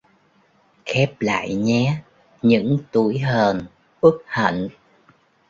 Khép lại nhé những tủi hờn uất hận